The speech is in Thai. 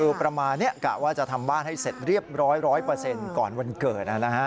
คือประมาณนี้กะว่าจะทำบ้านให้เสร็จเรียบร้อย๑๐๐ก่อนวันเกิดนะฮะ